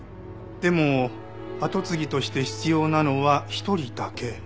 でも跡継ぎとして必要なのは１人だけ。